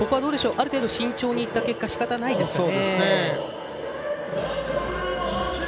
ある程度、慎重にいった結果しかたないですね。